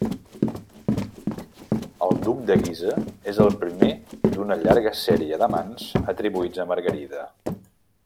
El duc de Guisa és el primer d'una llarga sèrie d'amants atribuïts a Margarida.